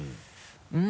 うん。